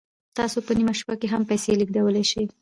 تاسو په نیمه شپه کې هم پیسې لیږدولی شئ.